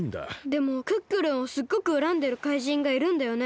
でもクックルンをすっごくうらんでる怪人がいるんだよね？